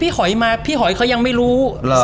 พี่หอยเป็นคนมิดังไม่รู้